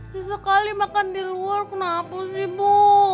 sisa kali makan di luar kenapa sih bu